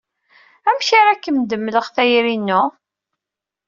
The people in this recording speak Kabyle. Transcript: Amek ara ak-d-mleɣ tayri-inu?